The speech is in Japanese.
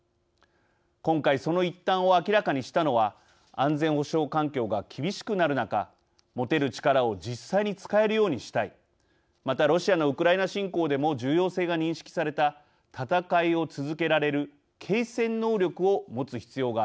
今回その一端を明らかにしたのは安全保障環境が厳しくなる中持てる力を実際に使えるようにしたいまたロシアのウクライナ侵攻でも重要性が認識された戦いを続けられる継戦能力を持つ必要があるからとしています。